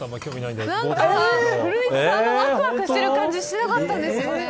古市さん、わくわくしてる感じしなかったんですよね。